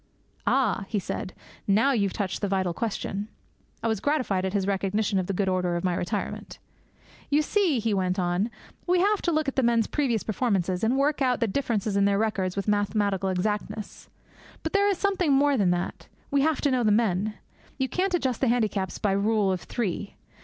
'Ah,' he said, 'now you've touched the vital question.' I was gratified at his recognition of the good order of my retirement. 'You see,' he went on, 'we have to look up the men's previous performances and work out the differences in their records with mathematical exactness. But there is something more than that. We have to know the men. You can't adjust the handicaps by rule of three.